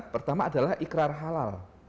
pertama adalah ikrar halal